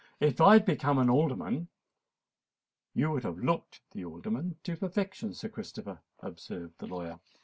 If I had become an Alderman——" "You would have looked the Alderman to perfection, Sir Christopher," observed the lawyer.